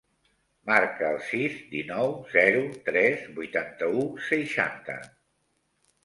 Marca el sis, dinou, zero, tres, vuitanta-u, seixanta.